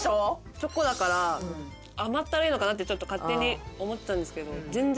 チョコだから甘ったるいのかなってちょっと勝手に思ってたんですけど全然。